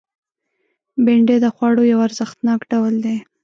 بېنډۍ د خوړو یو ارزښتناک ډول دی